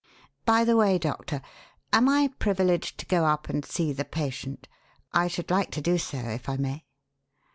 By the way, Doctor, am I privileged to go up and see the patient? I should like to do so if I may."